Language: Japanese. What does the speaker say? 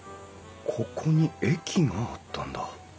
ここに駅があったんだ